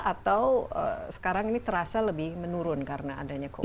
atau sekarang ini terasa lebih menurun karena adanya covid sembilan belas